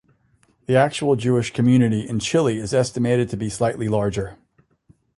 The actual Jewish community in Chile is estimated to be slightly larger.